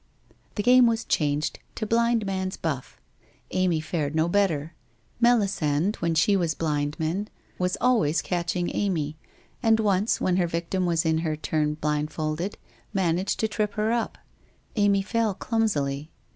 The game was changed to Blindmans Buff. Amy fared no better. Melisande when she was Blindman, was always catching Amy, and once, when her victim was in her turn blindfolded, managed to trip her up. Amy fell clumsily.